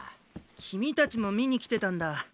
君たちも見に来てたんだ。